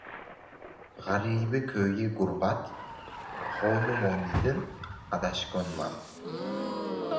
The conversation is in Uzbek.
G‘aribi ko‘yi gurbat, xonumonidin adashgonman